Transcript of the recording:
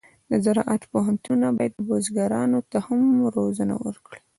د زراعت پوهنتونونه باید بزګرانو ته هم روزنه ورکړي.